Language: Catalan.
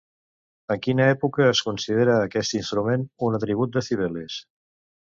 En quina època es considera aquest instrument un atribut de Cibeles?